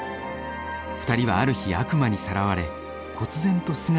２人はある日悪魔にさらわれこつ然と姿を消した。